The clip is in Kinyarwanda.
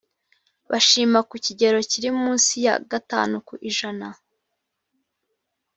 bashima ku kigero kiri munsi ya gatanu ku ijana